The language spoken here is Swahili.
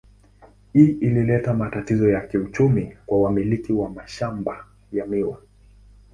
Hii ilileta matatizo ya kiuchumi kwa wamiliki wa mashamba ya miwa.